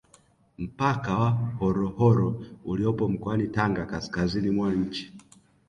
Mpaka wa Horohoro uliopo mkoani Tanga kaskazini mwa nchi